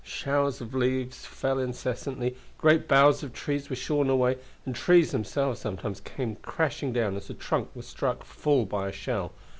Showers of leaves fell incessantly, great boughs of trees were shorn away, and trees themselves sometimes came crashing down as a trunk was struck full by a shell.